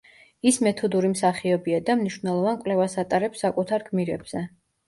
ის მეთოდური მსახიობია და მნიშვნელოვან კვლევას ატარებს საკუთარ გმირებზე.